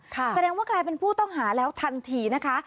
แสดงว่ากลายเป็นผู้ต้องหาแล้วทันทีนะคะ